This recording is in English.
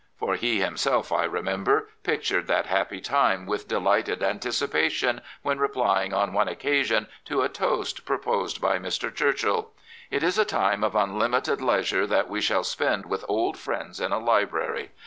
For he himself, I remember, pictured that happy time with delighted anticipation when replying on one occasion to a toast proposed by Mr. Churchill :" It is a time of unlimited leisure that we shall spend with old friends in a library.